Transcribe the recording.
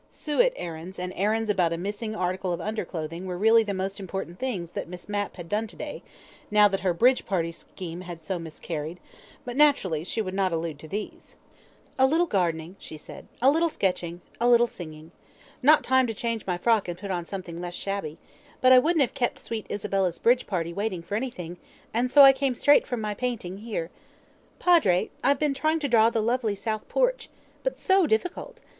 Suet errands and errands about a missing article of underclothing were really the most important things that Miss Mapp had done to day, now that her bridge party scheme had so miscarried, but naturally she would not allude to these. "A little gardening," she said. "A little sketching. A little singing. Not time to change my frock and put on something less shabby. But I wouldn't have kept sweet Isabel's bridge party waiting for anything, and so I came straight from my painting here. Padre, I've been trying to draw the lovely south porch. But so difficult!